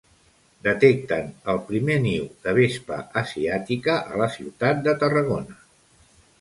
Detecten el primer niu de vespa asiàtica a la ciutat de Tarragona.